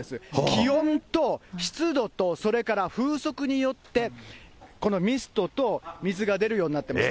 気温と湿度と、それから風速によって、このミストと水が出るようになっています。